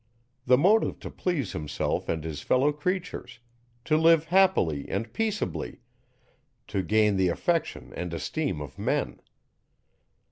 _ The motive to please himself and his fellow creatures; to live happily and peaceably; to gain the affection and esteem of men.